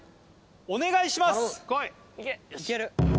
お願いします